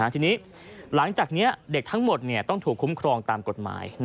ทีนี้หลังจากนี้เด็กทั้งหมดต้องถูกคุ้มครองตามกฎหมาย